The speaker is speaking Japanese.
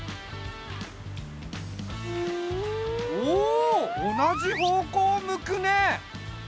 おお同じ方向を向くね！